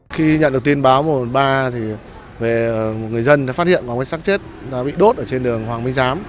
khi nhận được tin báo một trăm một mươi ba thì người dân đã phát hiện có một cái xác chết bị đốt ở trên đường hoàng minh giám